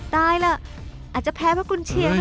ตายละอาจจะแพ้เพราะกุญเชียร์แล้วเนี่ย